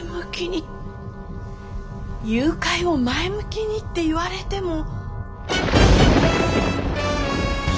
誘拐を前向きにって言われても。